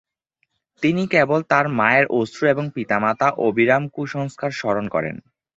তিনি কেবল তার মায়ের অশ্রু এবং পিতামাতা অবিরাম কুসংস্কার স্মরণ করেন।